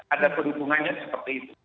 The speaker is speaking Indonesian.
ada perhubungannya seperti itu